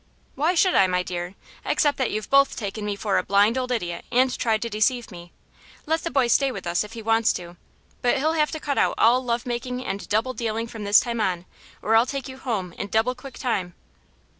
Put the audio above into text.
"Why should I, my dear? except that you've both taken me for a blind old idiot and tried to deceive me. Let the boy stay with us, if he wants to, but he'll have to cut out all love making and double dealing from this time on or I'll take you home in double quick time."